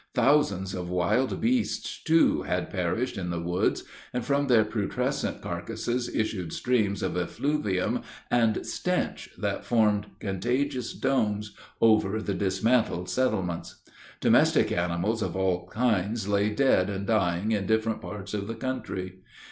Thousands of wild beasts, too, had perished in the woods, and from their putrescent carcasses issued streams of effluvium and stench that formed contagious domes over the dismantled settlements. Domestic animals of all kinds lay dead and dying in different parts of the country.